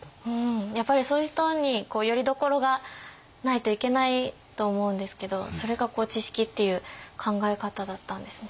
やっぱりそういう人によりどころがないといけないと思うんですけどそれが智識っていう考え方だったんですね。